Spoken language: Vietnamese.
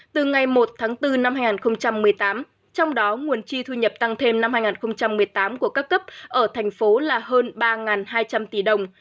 từ ngày một tháng bốn năm hai nghìn một mươi tám trong đó nguồn chi thu nhập tăng thêm năm hai nghìn một mươi tám của các cấp ở thành phố là hơn ba hai trăm linh tỷ đồng